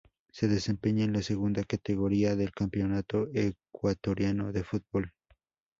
Se desempeña en la segunda categoría del Campeonato Ecuatoriano de Fútbol.